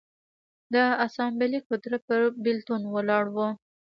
د اسامبلې قدرت پر بېلتون ولاړ و